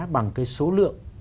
bằng cái số lượng